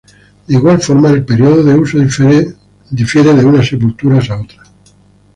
De igual forma el periodo de uso difiere de unas sepulturas a otras.